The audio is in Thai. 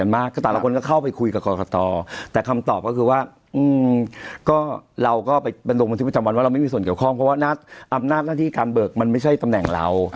อำนาจหน้าที่การเบิกมันไม่ใช่ตำแหน่งเรา